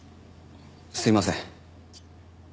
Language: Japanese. すいません。